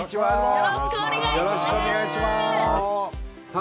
よろしくお願いします！